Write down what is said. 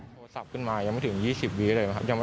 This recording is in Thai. โทรศัพท์ขึ้นมายังไม่ถึง๒๐วิเลยนะครับ